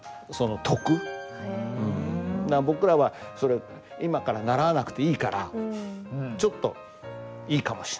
僕らはそれを今から習わなくていいからちょっといいかもしんない。